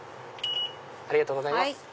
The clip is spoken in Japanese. ありがとうございます。